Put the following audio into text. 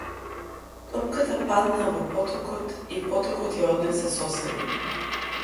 Топката падна во потокот и потокот ја однесе со себе.